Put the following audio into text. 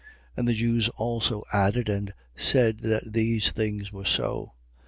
24:9. And the Jews also added and said that these things were so.